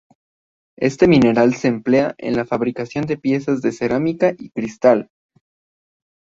Este mineral se emplea en la fabricación de piezas de cerámica y cristal.